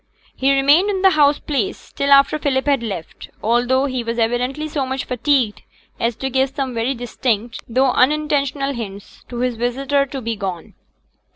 He remained in the house place, till after Philip had left, although he was evidently so much fatigued as to give some very distinct, though unintentional, hints to his visitor to be gone.